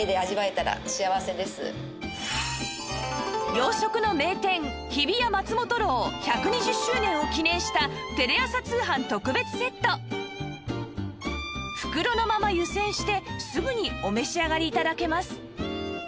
洋食の名店日比谷松本楼１２０周年を記念したテレ朝通販特別セット袋のまま湯煎してすぐにお召し上がり頂けます